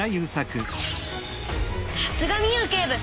さすがミウ警部！